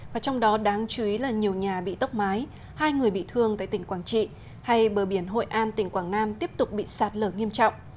và trong đó đáng chú ý là nhiều nhà bị tốc mái hai người bị thương tại tỉnh quảng trị hay bờ biển hội an tỉnh quảng nam tiếp tục bị sạt lở nghiêm trọng